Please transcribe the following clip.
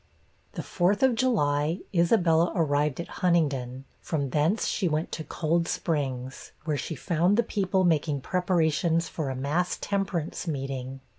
The fourth of July, Isabella arrived at Huntingdon; from thence she went to Cold Springs, where she found the people making preparations for a mass temperance meeting.